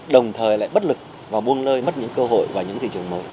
đồng thời lại bất lực và buông lơi mất những cơ hội vào những thị trường mới